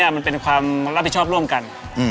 มันเป็นความรับผิดชอบร่วมกัน